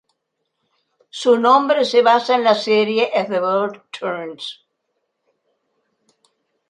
Su nombre se basa en la serie "As the World Turns".